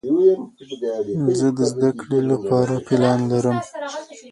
زه د زده کړې له پاره پلان لرم.